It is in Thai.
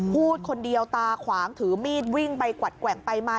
พูดคนเดียวตาขวางถือมีดวิ่งไปกวัดแกว่งไปมา